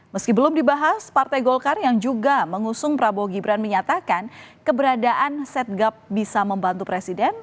meski belum dibahas partai golkar yang juga mengusung prabowo gibran menyatakan keberadaan setgap bisa membantu presiden